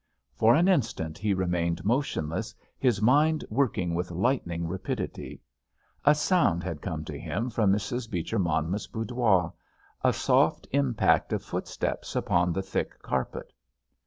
For an instant he remained motionless, his mind working with lightning rapidity. A sound had come to him from Mrs. Beecher Monmouth's boudoir, a soft impact of footsteps upon the thick carpet.